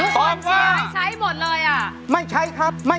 ใช้ใช้ใช้